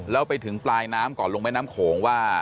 เราไปถึงปลายน้ำก่อนลงแม่น้ำโขง